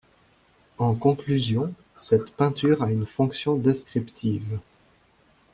En conclusion, cette peinture a une fonction descriptive.